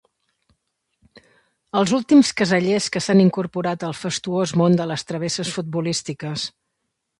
Els últims casellers que s'han incorporat al fastuós món de les travesses futbolístiques.